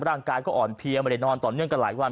ร่างกายก็อ่อนเพลียไม่ได้นอนต่อเนื่องกันหลายวัน